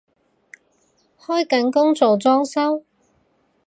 開緊工做裝修？